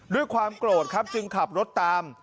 ด้วยความโกรธครับจึงขับรถตาม